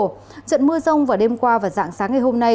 trận mưa rông vào đêm qua và dạng sáng ngày hôm nay